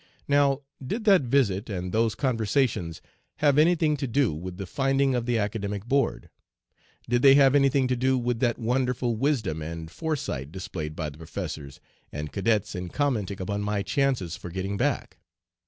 Now, did that visit and those conversations have any thing to do with the finding of the Academic Board? Did they have any thing to do with that wonderful wisdom and foresight displayed by the professors and cadets in commenting upon my chances for getting back?